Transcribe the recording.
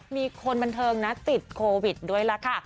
มีคนบันเทิงนะติดโควิดด้วยล่ะค่ะ